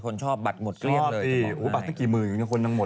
คนชอบใช่ไหม